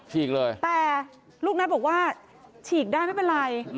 ฉีกเลยแต่ลูกนัทบอกว่าฉีกได้ไม่เป็นไร